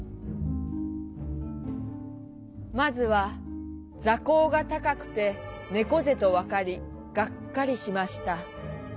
「まずは座高が高くてねこ背とわかりがっかりしました。